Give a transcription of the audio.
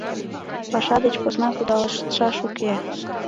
Паша деч посна кудалыштшаш уке.